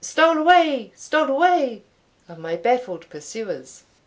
stole away! stole away!" of my baffled pursuers.